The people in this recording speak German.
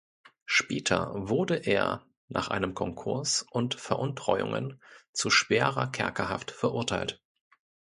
Später wurde er nach einem Konkurs und Veruntreuungen zu schwerer Kerkerhaft verurteilt.